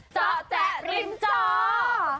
เจาะแจ๊ะริมเจาะ